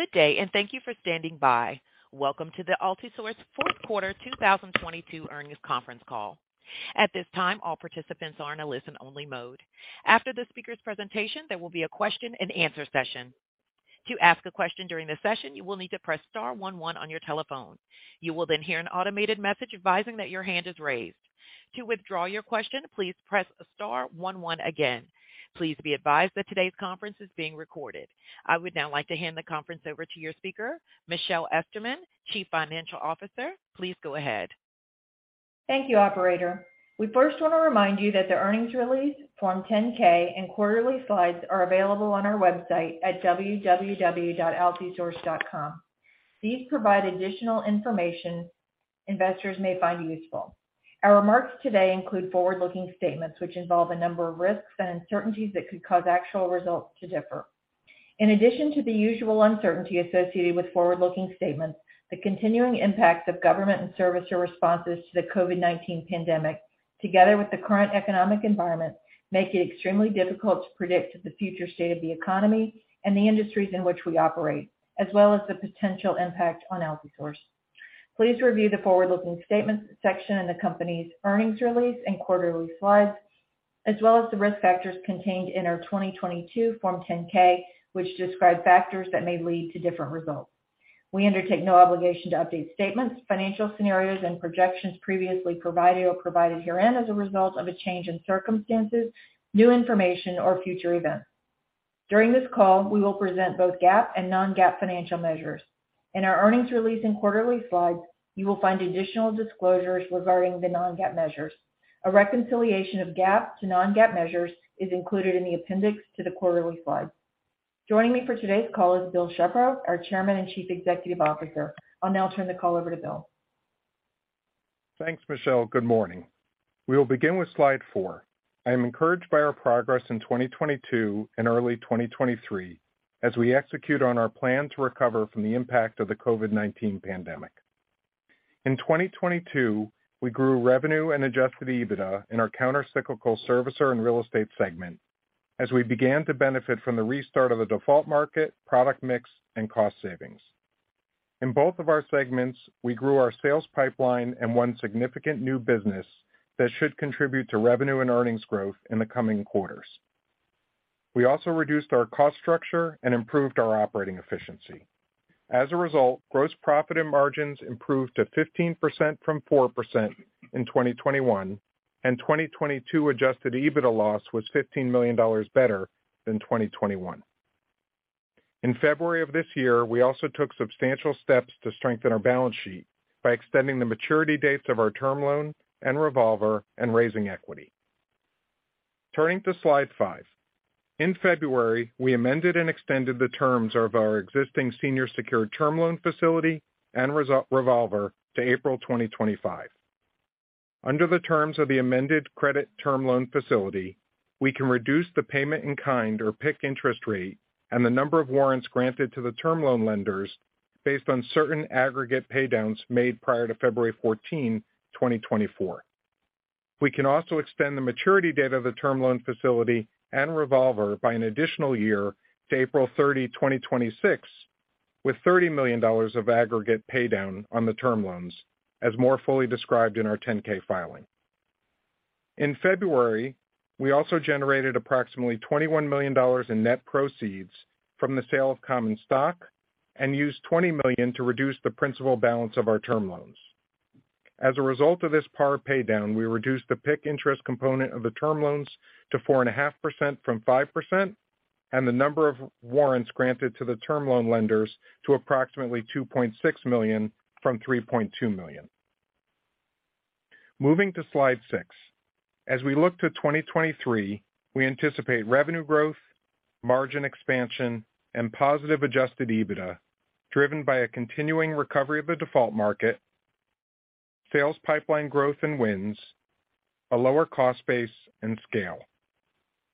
Good day, and thank you for standing by. Welcome to the Altisource Fourth Quarter 2022 Earnings Conference Call. At this time, all participants are in a listen-only mode. After the speaker's presentation, there will be a question-and-answer session. To ask a question during the session, you will need to press star one one on your telephone. You will then hear an automated message advising that your hand is raised. To withdraw your question, please press star one one again. Please be advised that today's conference is being recorded. I would now like to hand the conference over to your speaker, Michelle Esterman, Chief Financial Officer. Please go ahead. Thank you, operator. We first want to remind you that the earnings release, Form 10-K, and quarterly slides are available on our website at www.Altisource.com. These provide additional information investors may find useful. Our remarks today include forward-looking statements which involve a number of risks and uncertainties that could cause actual results to differ. In addition to the usual uncertainty associated with forward-looking statements, the continuing impact of government and servicer responses to the COVID-19 pandemic, together with the current economic environment, make it extremely difficult to predict the future state of the economy and the industries in which we operate, as well as the potential impact on Altisource. Please review the forward-looking statements section in the company's earnings release and quarterly slides, as well as the risk factors contained in our 2022 Form 10-K, which describe factors that may lead to different results. We undertake no obligation to update statements, financial scenarios, and projections previously provided or provided herein as a result of a change in circumstances, new information, or future events. During this call, we will present both GAAP and non-GAAP financial measures. In our earnings release and quarterly slides, you will find additional disclosures regarding the non-GAAP measures. A reconciliation of GAAP to non-GAAP measures is included in the appendix to the quarterly slides. Joining me for today's call is Bill Shepro, our Chairman and Chief Executive Officer. I'll now turn the call over to Bill. Thanks, Michelle. Good morning. We will begin with slide four. I am encouraged by our progress in 2022 and early 2023 as we execute on our plan to recover from the impact of the COVID-19 pandemic. In 2022, we grew revenue and Adjusted EBITDA in our countercyclical Servicer and Real Estate segment as we began to benefit from the restart of the default market, product mix, and cost savings. In both of our segments, we grew our sales pipeline and won significant new business that should contribute to revenue and earnings growth in the coming quarters. We also reduced our cost structure and improved our operating efficiency. As a result, gross profit and margins improved to 15% from 4% in 2021, and 2022 Adjusted EBITDA loss was $15 million better than 2021. In February of this year, we also took substantial steps to strengthen our balance sheet by extending the maturity dates of our term loan and revolver and raising equity. Turning to slide five. In February, we amended and extended the terms of our existing senior secured term loan facility and revolver to April 2025. Under the terms of the amended credit term loan facility, we can reduce the payment in kind or PIK interest rate and the number of warrants granted to the term loan lenders based on certain aggregate paydowns made prior to February 14, 2024. We can also extend the maturity date of the term loan facility and revolver by an additional year to April 30, 2026, with $30 million of aggregate paydown on the term loans, as more fully described in our Form 10-K filing. In February, we also generated approximately $21 million in net proceeds from the sale of common stock and used $20 million to reduce the principal balance of our term loans. As a result of this par paydown, we reduced the PIK interest component of the term loans to 4.5% from 5% and the number of warrants granted to the term loan lenders to approximately 2.6 million from 3.2 million. Moving to slide six. We look to 2023, we anticipate revenue growth, margin expansion, and positive Adjusted EBITDA, driven by a continuing recovery of the default market, sales pipeline growth and wins, a lower cost base, and scale.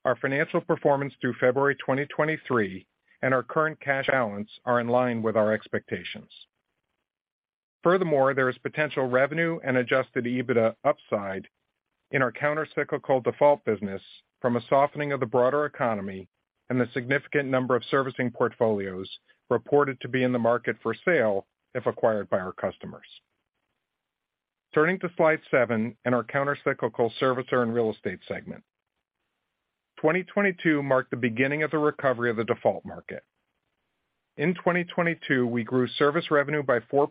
Our financial performance through February 2023 and our current cash balance are in line with our expectations. Furthermore, there is potential revenue and Adjusted EBITDA upside in our countercyclical default business from a softening of the broader economy and the significant number of servicing portfolios reported to be in the market for sale if acquired by our customers. Turning to slide seven and our countercyclical Servicer and Real Estate segment. 2022 marked the beginning of the recovery of the default market. In 2022, we grew Service revenue by 4%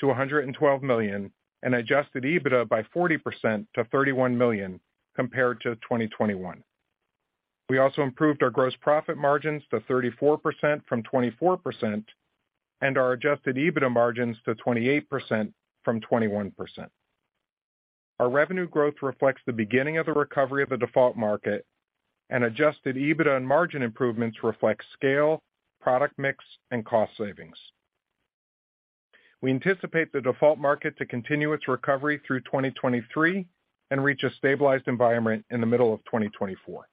to $112 million and Adjusted EBITDA by 40% to $31 million compared to 2021. We also improved our gross profit margins to 34% from 24% and our Adjusted EBITDA margins to 28% from 21%. Our revenue growth reflects the beginning of the recovery of the default market, and Adjusted EBITDA and margin improvements reflect scale, product mix, and cost savings. We anticipate the default market to continue its recovery through 2023 and reach a stabilized environment in the middle of 2024.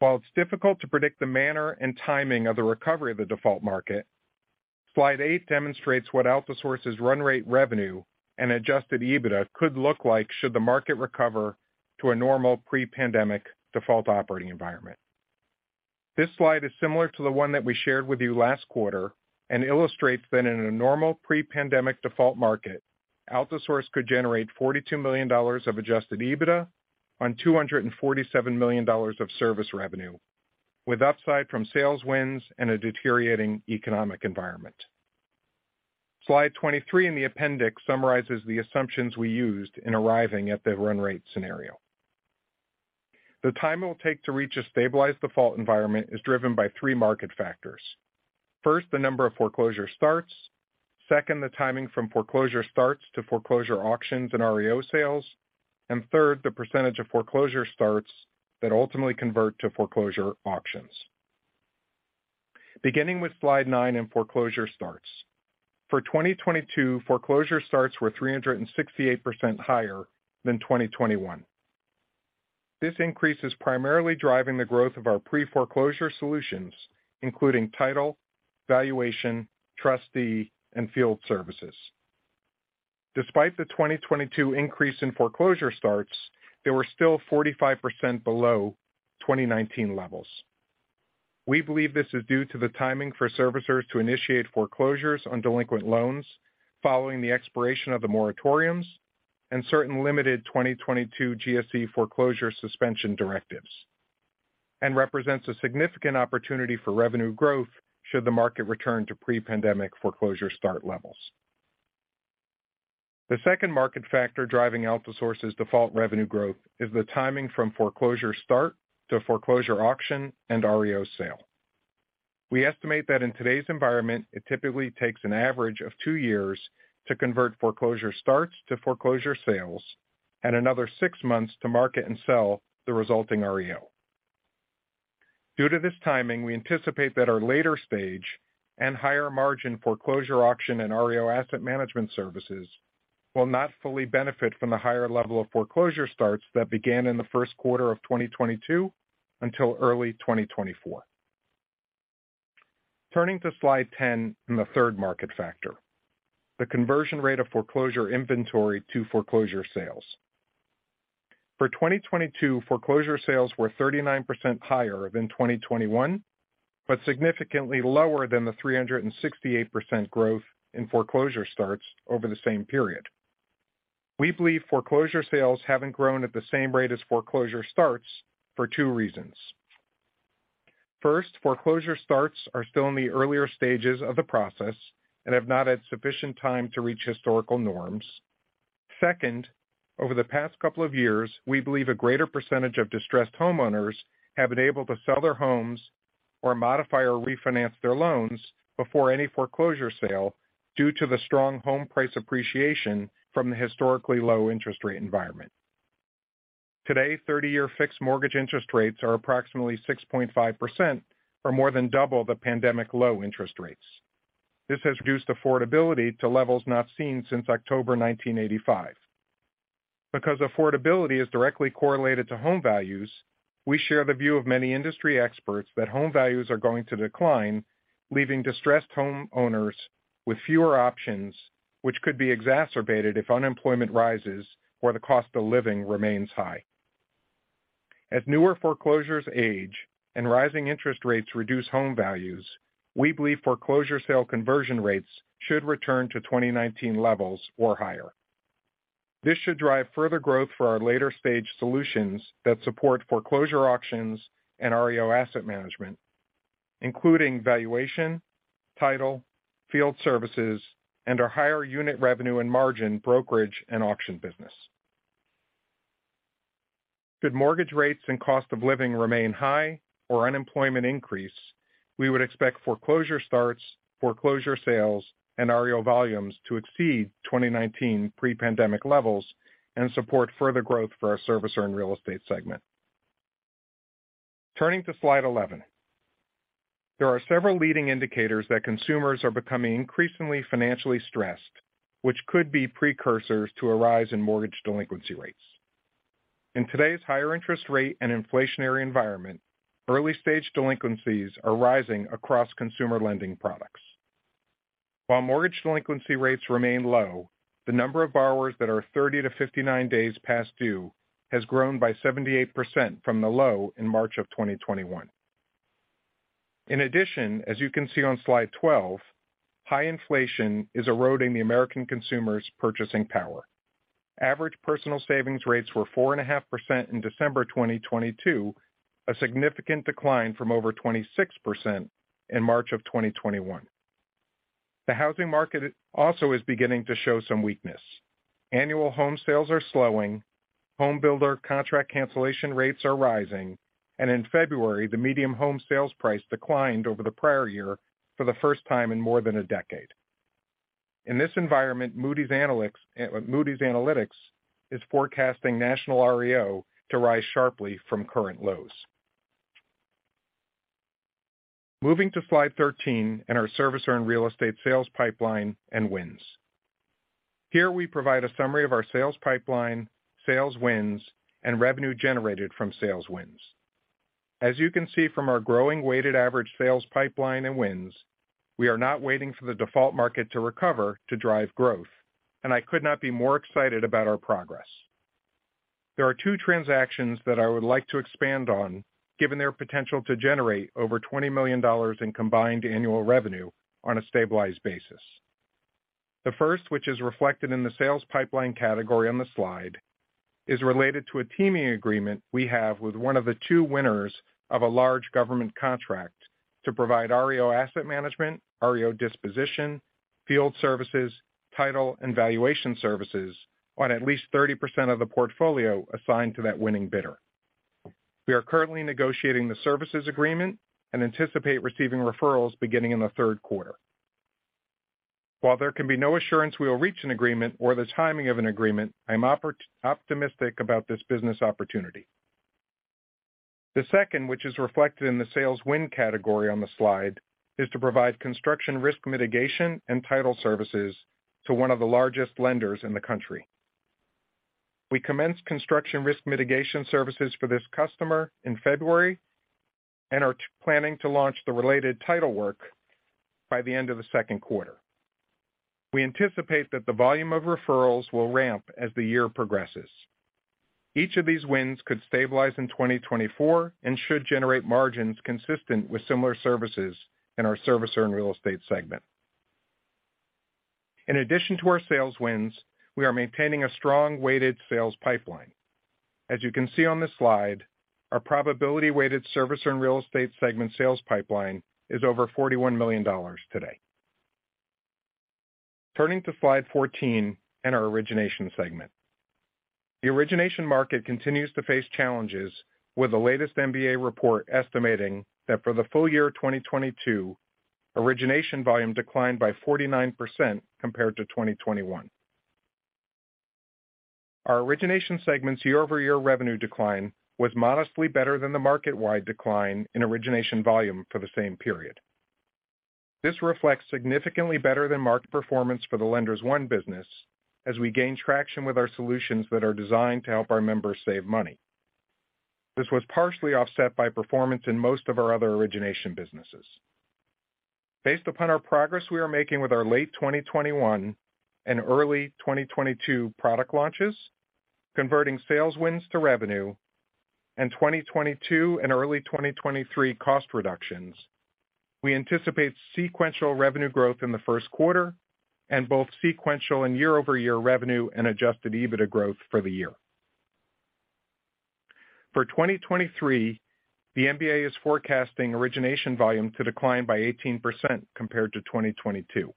While it's difficult to predict the manner and timing of the recovery of the default market, slide eight demonstrates what Altisource's run rate revenue and Adjusted EBITDA could look like should the market recover to a normal pre-pandemic default operating environment. This slide is similar to the one that we shared with you last quarter and illustrates that in a normal pre-pandemic default market, Altisource could generate $42 million of Adjusted EBITDA on $247 million of Service revenue, with upside from sales wins and a deteriorating economic environment. Slide 23 in the appendix summarizes the assumptions we used in arriving at the run rate scenario. The time it will take to reach a stabilized default environment is driven by three market factors. First, the number of foreclosure starts, second, the timing from foreclosure starts to foreclosure auctions and REO sales, and third, the percentage of foreclosure starts that ultimately convert to foreclosure auctions. Beginning with slide nine in foreclosure starts. For 2022, foreclosure starts were 368% higher than 2021. This increase is primarily driving the growth of our pre-foreclosure solutions, including title, valuation, trustee, and field services. Despite the 2022 increase in foreclosure starts, they were still 45% below 2019 levels. We believe this is due to the timing for servicers to initiate foreclosures on delinquent loans following the expiration of the moratoriums and certain limited 2022 GSE foreclosure suspension directives, and represents a significant opportunity for revenue growth should the market return to pre-pandemic foreclosure start levels. The second market factor driving Altisource's default revenue growth is the timing from foreclosure start to foreclosure auction and REO sale. We estimate that in today's environment, it typically takes an average of two years to convert foreclosure starts to foreclosure sales and another six months to market and sell the resulting REO. Due to this timing, we anticipate that our later stage and higher margin foreclosure auction and REO asset management services will not fully benefit from the higher level of foreclosure starts that began in the first quarter of 2022 until early 2024. Turning to slide 10 and the third market factor, the conversion rate of foreclosure inventory to foreclosure sales. For 2022, foreclosure sales were 39% higher than 2021, but significantly lower than the 368% growth in foreclosure starts over the same period. We believe foreclosure sales haven't grown at the same rate as foreclosure starts for two reasons. First, foreclosure starts are still in the earlier stages of the process and have not had sufficient time to reach historical norms. Second, over the past couple of years, we believe a greater percentage of distressed homeowners have been able to sell their homes or modify or refinance their loans before any foreclosure sale due to the strong home price appreciation from the historically low interest rate environment. Today, 30-year fixed mortgage interest rates are approximately 6.5% or more than double the pandemic low interest rates. This has reduced affordability to levels not seen since October 1985. Because affordability is directly correlated to home values, we share the view of many industry experts that home values are going to decline, leaving distressed homeowners with fewer options, which could be exacerbated if unemployment rises or the cost of living remains high. As newer foreclosures age and rising interest rates reduce home values, we believe foreclosure sale conversion rates should return to 2019 levels or higher. This should drive further growth for our later stage solutions that support foreclosure auctions and REO asset management, including valuation, title, field services, and our higher unit revenue and margin brokerage and auction business. Should mortgage rates and cost of living remain high or unemployment increase, we would expect foreclosure starts, foreclosure sales, and REO volumes to exceed 2019 pre-pandemic levels and support further growth for our Servicer and Real Estate segment. Turning to slide 11. There are several leading indicators that consumers are becoming increasingly financially stressed, which could be precursors to a rise in mortgage delinquency rates. In today's higher interest rate and inflationary environment, early-stage delinquencies are rising across consumer lending products. While mortgage delinquency rates remain low, the number of borrowers that are 30 days-59 days past due has grown by 78% from the low in March 2021. In addition, as you can see on slide 12, high inflation is eroding the American consumer's purchasing power. Average personal savings rates were 4.5% in December 2022, a significant decline from over 26% in March 2021. The housing market also is beginning to show some weakness. Annual home sales are slowing, home builder contract cancellation rates are rising. In February, the median home sales price declined over the prior year for the first time in more than a decade. In this environment, Moody's Analytics is forecasting national REO to rise sharply from current lows. Moving to slide 13 in our Servicer and Real Estate sales pipeline and wins. Here we provide a summary of our sales pipeline, sales wins, and revenue generated from sales wins. As you can see from our growing weighted average sales pipeline and wins, we are not waiting for the default market to recover to drive growth, and I could not be more excited about our progress. There are two transactions that I would like to expand on given their potential to generate over $20 million in combined annual revenue on a stabilized basis. The first, which is reflected in the sales pipeline category on the slide, is related to a teaming agreement we have with one of the two winners of a large government contract to provide REO asset management, REO disposition, field services, title, and valuation services on at least 30% of the portfolio assigned to that winning bidder. We are currently negotiating the services agreement and anticipate receiving referrals beginning in the third quarter. While there can be no assurance we will reach an agreement or the timing of an agreement, I'm optimistic about this business opportunity. The second, which is reflected in the sales win category on the slide, is to provide construction risk mitigation and title services to one of the largest lenders in the country. We commenced construction risk mitigation services for this customer in February and are planning to launch the related title work by the end of the second quarter. We anticipate that the volume of referrals will ramp as the year progresses. Each of these wins could stabilize in 2024 and should generate margins consistent with similar services in our Servicer and Real Estate segment. In addition to our sales wins, we are maintaining a strong weighted sales pipeline. As you can see on this slide, our probability-weighted Servicer and Real Estate segment sales pipeline is over $41 million today. Turning to slide 14 and our Origination segment. The Origination market continues to face challenges, with the latest MBA report estimating that for the full-year of 2022, Origination volume declined by 49% compared to 2021. Our Origination segment's year-over-year revenue decline was modestly better than the market-wide decline in Origination volume for the same period. This reflects significantly better than market performance for the Lenders One business as we gain traction with our solutions that are designed to help our members save money. This was partially offset by performance in most of our other Origination businesses. Based upon our progress we are making with our late 2021 and early 2022 product launches, converting sales wins to revenue, and 2022 and early 2023 cost reductions, we anticipate sequential revenue growth in the first quarter and both sequential and year-over-year revenue and Adjusted EBITDA growth for the year. For 2023, the MBA is forecasting Origination volume to decline by 18% compared to 2022.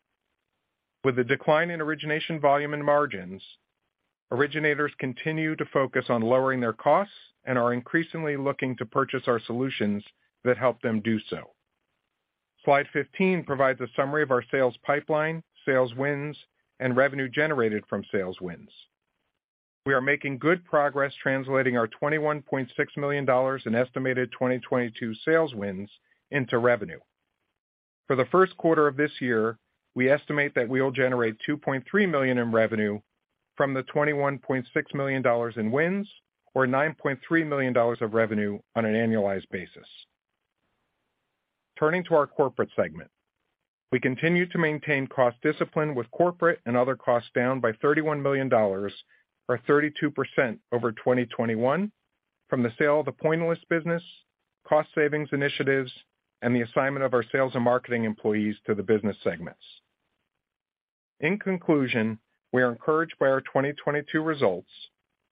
With the decline in Origination volume and margins, originators continue to focus on lowering their costs and are increasingly looking to purchase our solutions that help them do so. Slide 15 provides a summary of our sales pipeline, sales wins, and revenue generated from sales wins. We are making good progress translating our $21.6 million in estimated 2022 sales wins into revenue. For the 1st quarter of this year, we estimate that we will generate $2.3 million in revenue from the $21.6 million in wins or $9.3 million of revenue on an annualized basis. Turning to our corporate segment. We continue to maintain cost discipline with corporate and other costs down by $31 million or 32% over 2021 from the sale of the Pointillist business, cost savings initiatives, and the assignment of our sales and marketing employees to the business segments. In conclusion, we are encouraged by our 2022 results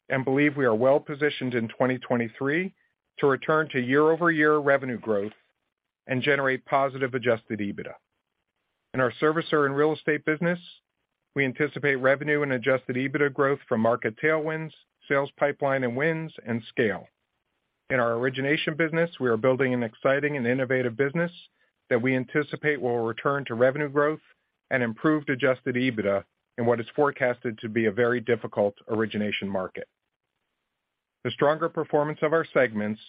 and believe we are well positioned in 2023 to return to year-over-year revenue growth and generate positive Adjusted EBITDA. In our Servicer and Real Estate business, we anticipate revenue and Adjusted EBITDA growth from market tailwinds, sales pipeline and wins, and scale. In our Origination business, we are building an exciting and innovative business that we anticipate will return to revenue growth and improved Adjusted EBITDA in what is forecasted to be a very difficult Origination market. The stronger performance of our segments,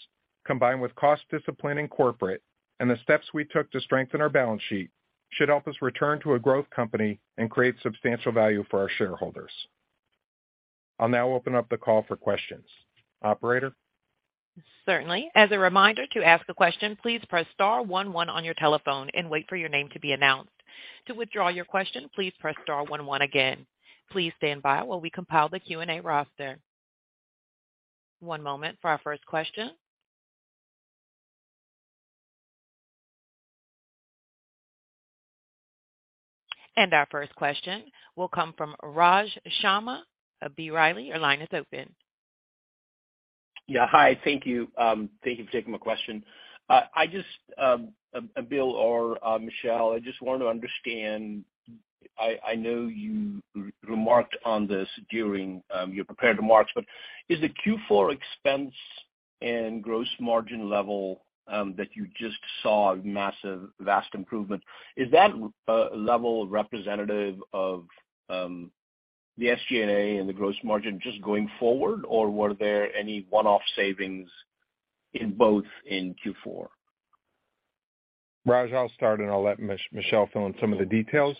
combined with cost discipline in corporate and the steps we took to strengthen our balance sheet, should help us return to a growth company and create substantial value for our shareholders. I'll now open up the call for questions. Operator? Certainly. As a reminder, to ask a question, please press star one one on your telephone and wait for your name to be announced. To withdraw your question, please press star one one again. Please stand by while we compile the Q&A roster. One moment for our first question. Our first question will come from Raj Sharma of B. Riley. Your line is open. Yeah. Hi. Thank you. Thank you for taking my question. I just Bill or Michelle, I just want to understand, I know you remarked on this during your prepared remarks, is the Q4 expense and gross margin level that you just saw massive, vast improvement, is that level representative of the SG&A and the gross margin just going forward, or were there any one-off savings in both in Q4? Raj, I'll start, and I'll let Michelle fill in some of the details.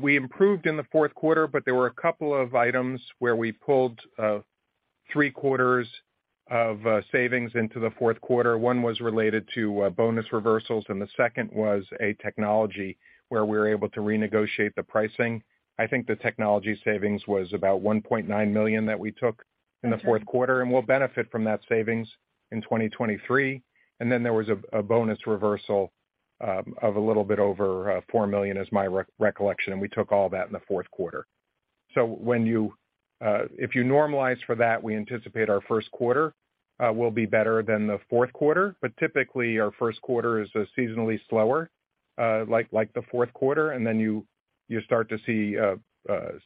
We improved in the fourth quarter, but there were a couple of items where we pulled three quarters of savings into the fourth quarter. One was related to bonus reversals, and the second was a technology where we were able to renegotiate the pricing. I think the technology savings was about $1.9 million that we took in the fourth quarter, and we'll benefit from that savings in 2023. There was a bonus reversal of a little bit over $4 million is my recollection, and we took all that in the fourth quarter. When you, if you normalize for that, we anticipate our first quarter will be better than the fourth quarter. Typically, our first quarter is seasonally slower, like the fourth quarter, and then you start to see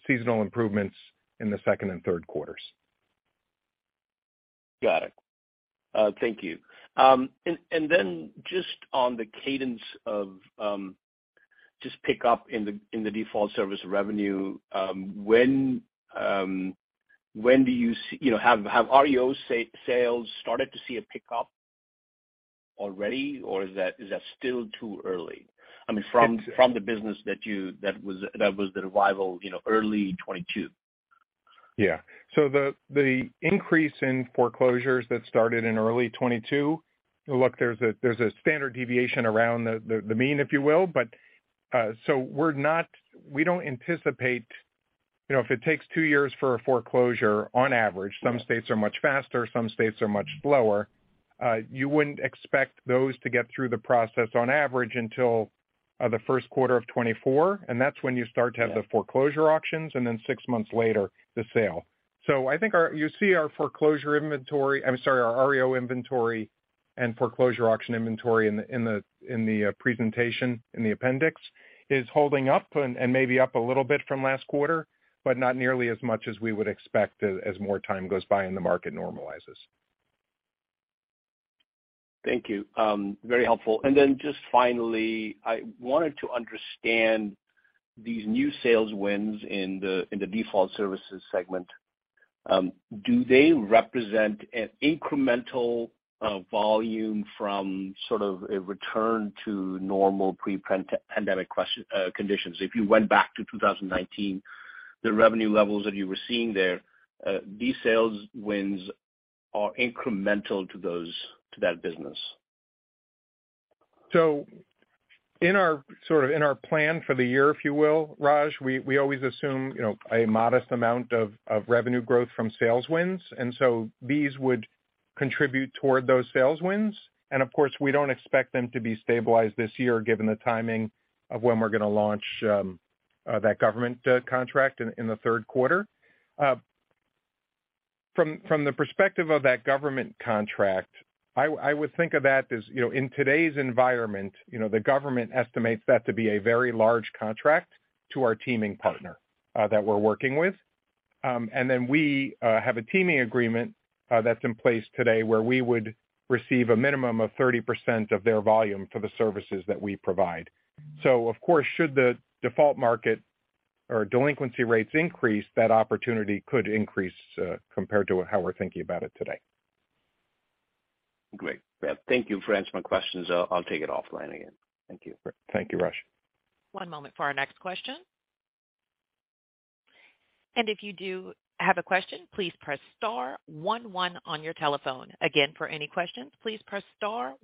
seasonal improvements in the second and third quarters. Got it. Thank you. Then just on the cadence of, just pick up in the, in the Default Service revenue, when do you see? You know, have REO sales started to see a pickup already, or is that, is that still too early? I mean, from the business that you that was the revival, you know, early 2022. The increase in foreclosures that started in early 2022. Look, there's a standard deviation around the mean, if you will. We don't anticipate, you know, if it takes two years for a foreclosure on average, some states are much faster, some states are much slower, you wouldn't expect those to get through the process on average until the first quarter of 2024. That's when you start to have the foreclosure auctions and then six months later, the sale. I think you see our foreclosure inventory, I'm sorry, our REO inventory and foreclosure auction inventory in the presentation, in the appendix, is holding up and maybe up a little bit from last quarter, but not nearly as much as we would expect as more time goes by and the market normalizes. Thank you. very helpful. Just finally, I wanted to understand these new sales wins in the Default Services segment. Do they represent an incremental volume from sort of a return to normal pre-pandemic conditions? If you went back to 2019, the revenue levels that you were seeing there, these sales wins are incremental to those, to that business. In our, sort of in our plan for the year, if you will, Raj, we always assume, you know, a modest amount of revenue growth from sales wins. These would contribute toward those sales wins. Of course, we don't expect them to be stabilized this year, given the timing of when we're gonna launch that government contract in the third quarter. From the perspective of that government contract, I would think of that as, you know, in today's environment, you know, the government estimates that to be a very large contract to our teaming partner that we're working with. Then we have a teaming agreement that's in place today where we would receive a minimum of 30% of their volume for the services that we provide. Of course, should the default market or delinquency rates increase, that opportunity could increase, compared to how we're thinking about it today. Great. Thank you for answering my questions. I'll take it offline again. Thank you. Thank you, Raj. One moment for our next question. If you do have a question, please press star one one on your telephone. Again, for any questions, please press star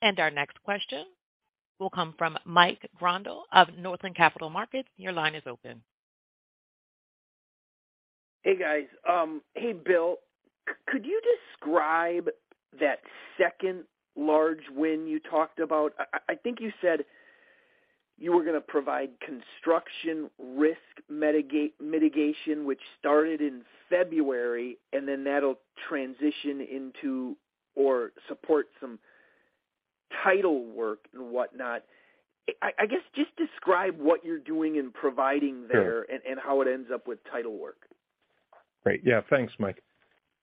one one. Our next question will come from Mike Grondahl of Northland Capital Markets. Your line is open. Hey, guys. Hey, Bill. Could you describe that second large win you talked about? I think you said you were gonna provide construction risk mitigation, which started in February, that'll transition into or support some title work and whatnot. I guess just describe what you're doing and providing there? Sure. How it ends up with title work. Great. Yeah. Thanks, Mike.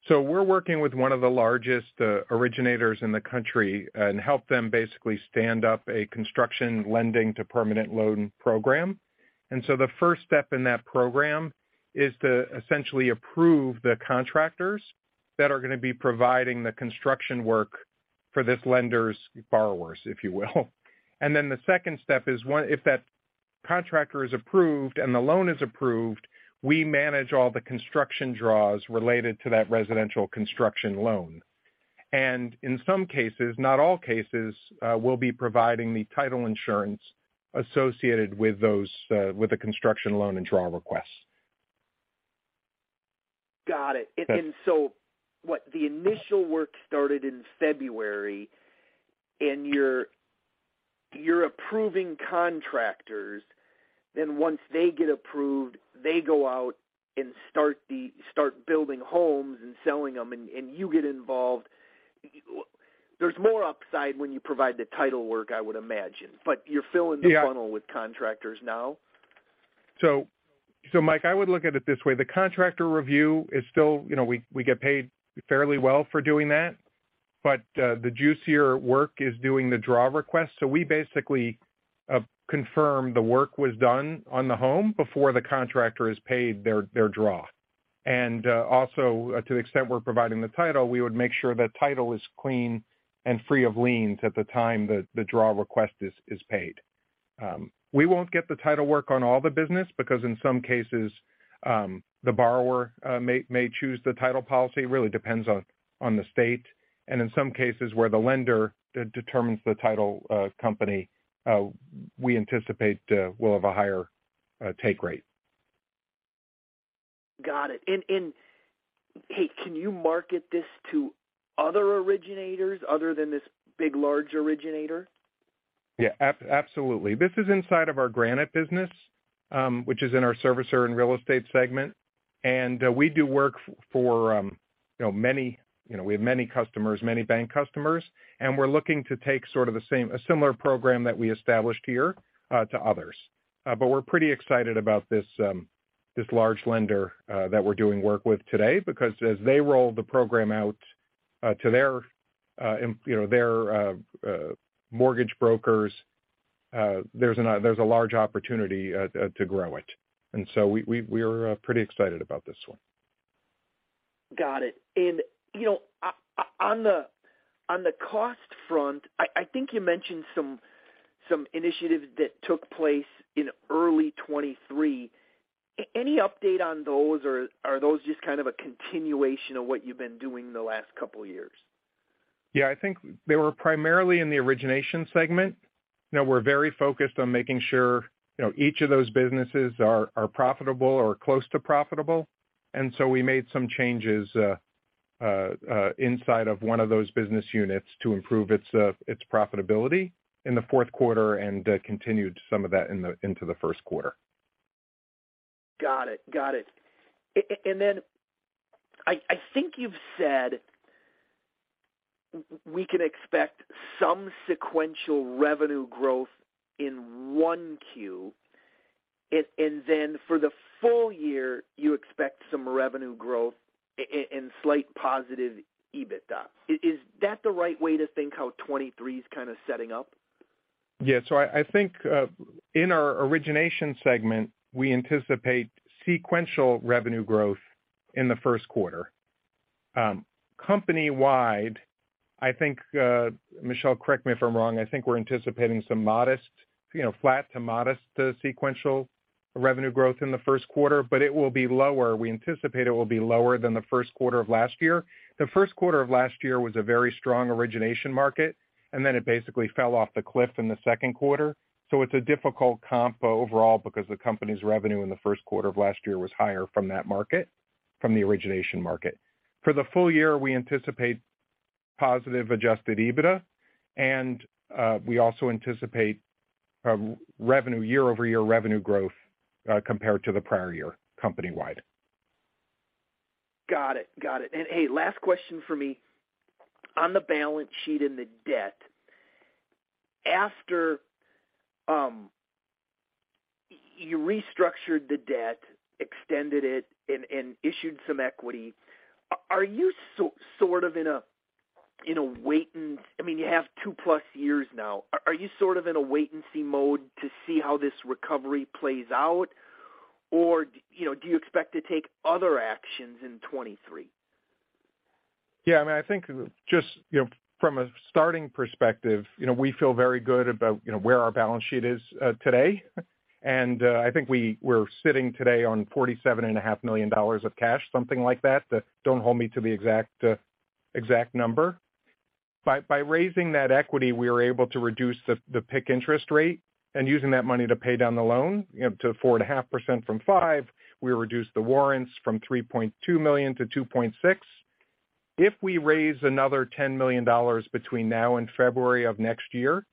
We're working with one of the largest originators in the country and help them basically stand up a construction lending to permanent loan program. The first step in that program is to essentially approve the contractors that are gonna be providing the construction work for this lender's borrowers, if you will. The second step is if that contractor is approved and the loan is approved, we manage all the construction draws related to that residential construction loan. In some cases, not all cases, we'll be providing the title insurance associated with those with the construction loan and draw requests. Got it. Okay. What the initial work started in February, you're approving contractors, then once they get approved, they go out and start building homes and selling them and you get involved. There's more upside when you provide the title work, I would imagine. You're filling the- Yeah. funnel with contractors now. Mike, I would look at it this way. The contractor review is still, you know, we get paid fairly well for doing that. The juicier work is doing the draw request. We basically confirm the work was done on the home before the contractor is paid their draw. Also to the extent we're providing the title, we would make sure that title is clean and free of liens at the time that the draw request is paid. We won't get the title work on all the business because in some cases, the borrower may choose the title policy. It really depends on the state. In some cases where the lender determines the title company, we anticipate will have a higher take rate. Got it. Hey, can you market this to other originators other than this big, large originator? Yeah. Absolutely. This is inside of our Granite business, which is in our Servicer and Real Estate segment. We do work for, you know, many, you know, we have many customers, many bank customers, and we're looking to take sort of a similar program that we established here to others. But we're pretty excited about this large lender that we're doing work with today because as they roll the program out to their, you know, their mortgage brokers, there's a large opportunity to grow it. So we're pretty excited about this one. Got it. You know, on the cost front, I think you mentioned some initiatives that took place in early 2023. Any update on those, or are those just kind of a continuation of what you've been doing the last couple years? Yeah, I think they were primarily in the Origination segment. You know, we're very focused on making sure, you know, each of those businesses are profitable or close to profitable. We made some changes inside of one of those business units to improve its profitability in the fourth quarter and continued some of that into the first quarter. Got it. Got it. Then I think you've said we can expect some sequential revenue growth in 1Q. Then for the full year, you expect some revenue growth and slight positive EBITDA. Is that the right way to think how 2023 is kind of setting up? Yeah. I think, in our Origination segment, we anticipate sequential revenue growth in the first quarter. Company-wide, I think, Michelle, correct me if I'm wrong, I think we're anticipating some modest, you know, flat to modest, sequential revenue growth in the first quarter, but it will be lower. We anticipate it will be lower than the first quarter of last year. The first quarter of last year was a very strong Origination market, it basically fell off the cliff in the second quarter. It's a difficult comp overall because the company's revenue in the first quarter of last year was higher from that market, from the Origination market. For the full year, we anticipate positive Adjusted EBITDA, and we also anticipate year-over-year revenue growth compared to the prior year company-wide. Got it. Got it. Hey, last question for me. On the balance sheet and the debt, after you restructured the debt, extended it, and issued some equity, Are you sort of in a wait and... I mean, you have 2+ years now. Are you sort of in a wait and see mode to see how this recovery plays out? Or, you know, do you expect to take other actions in 2023? Yeah, I mean, I think just, you know, from a starting perspective, you know, we feel very good about, you know, where our balance sheet is today. I think we're sitting today on $47.5 million of cash, something like that. Don't hold me to the exact exact number. By raising that equity, we are able to reduce the PIK interest rate and using that money to pay down the loan, you know, to 4.5% from 5%. We reduced the warrants from $3.2 million-$2.6 million. If we raise another $10 million between now and February of next year,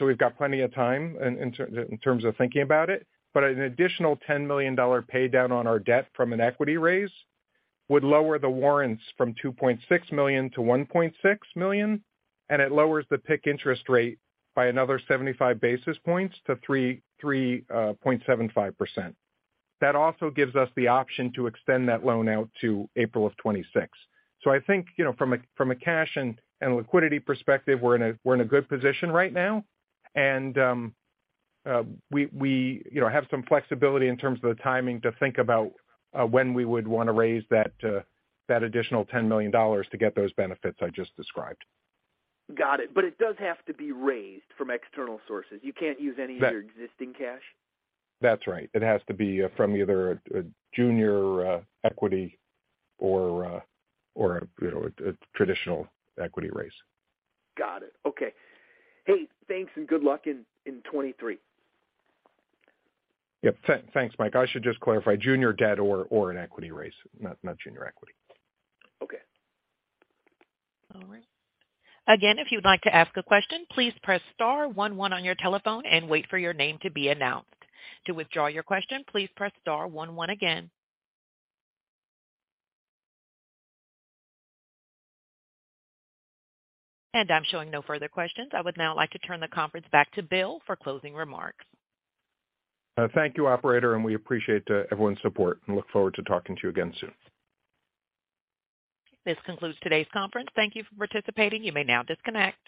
we've got plenty of time in terms of thinking about it. An additional $10 million pay down on our debt from an equity raise would lower the warrants from $2.6 million-$1.6 million, and it lowers the PIK interest rate by another 75 basis points to 3.75%. That also gives us the option to extend that loan out to April of 2026. I think, you know, from a cash and liquidity perspective, we're in a good position right now. We, you know, have some flexibility in terms of the timing to think about when we would wanna raise that additional $10 million to get those benefits I just described. Got it. It does have to be raised from external sources. You can't use any- That- of your existing cash? That's right. It has to be from either a junior equity or, you know, a traditional equity raise. Got it. Okay. Hey, thanks and good luck in 2023. Yep. thanks, Mike. I should just clarify, junior debt or an equity raise, not junior equity. Okay. All right. Again, if you'd like to ask a question, please press star one one on your telephone and wait for your name to be announced. To withdraw your question, please press star one one again. I'm showing no further questions. I would now like to turn the conference back to Bill for closing remarks. Thank you, operator, and we appreciate everyone's support and look forward to talking to you again soon. This concludes today's conference. Thank you for participating. You may now disconnect.